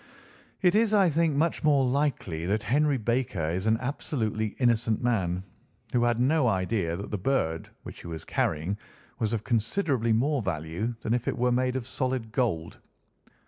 "It is, I think, much more likely that Henry Baker is an absolutely innocent man, who had no idea that the bird which he was carrying was of considerably more value than if it were made of solid gold.